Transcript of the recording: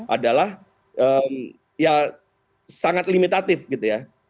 adalah ya sangat limitatif gitu ya